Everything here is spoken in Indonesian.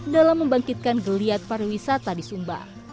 dalam membangkitkan geliat pariwisata di sumba